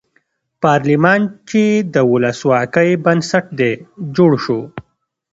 پارلمان چې د ولسواکۍ بنسټ دی جوړ شو.